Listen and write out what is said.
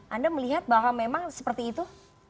anda melihat bahwa memang seperti itu